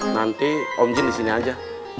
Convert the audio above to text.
nanti om jin di sini aja